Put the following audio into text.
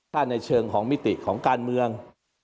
ถ้าในเชิงของมิติของการเมือง